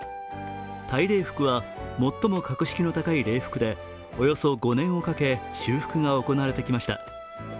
大礼服は最も格式の高い礼服で、およそ５年をかけ修復が行われてきました。